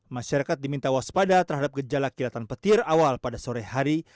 masyarakat diminta waspada terhadap gejala kilatan petir awal pada sore hari